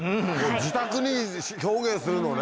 自宅に表現するのね。